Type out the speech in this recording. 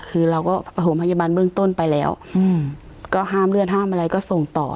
คือเราก็ประถมพยาบาลเบื้องต้นไปแล้วก็ห้ามเลือดห้ามอะไรก็ส่งต่อ